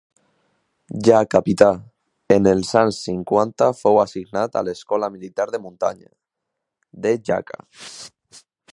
Ja capità, en els anys cinquanta fou assignat a l'Escola Militar de Muntanya, de Jaca.